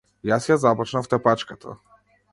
Јас ја започнав тепачката.